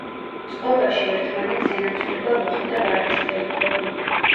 წყობაში ერთმანეთს ენაცვლება რუხი და ვარდისფერი ქვები.